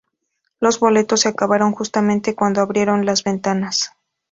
Los boletos se acabaron justamente cuando abrieron las ventas.